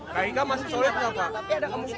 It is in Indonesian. kayaknya masih soal itu pak